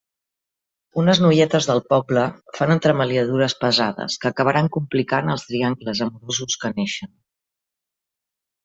Unes noietes del poble fan entremaliadures pesades que acabaran complicant els triangles amorosos que neixen.